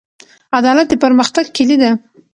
عدالت د پرمختګ کیلي ده.